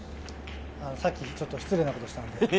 さっきちょっと失礼なことをしたので。